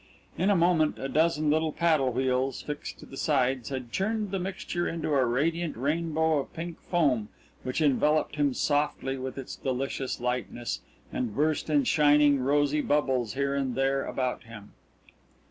In a moment a dozen little paddle wheels, fixed to the sides, had churned the mixture into a radiant rainbow of pink foam which enveloped him softly with its delicious lightness, and burst in shining, rosy bubbles here and there about him.